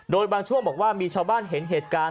โดยบางช่วงบอกว่ามีชาวบ้านเห็นเหตุการณ์